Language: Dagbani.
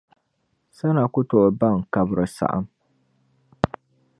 Sana ku tooi baŋ kabira saɣim.